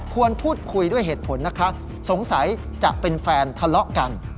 ควรพูดคุยด้วยเหตุผลนะคะสงสัยจะเป็นแฟนทะเลาะกัน